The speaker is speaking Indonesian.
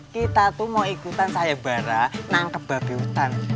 kita tuh mau ikutan sayem bara nangkep babi hutan